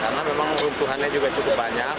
karena memang runtuhannya juga cukup banyak